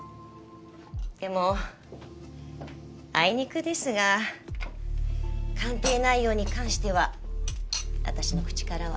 でもあいにくですが鑑定内容に関しては私の口からは。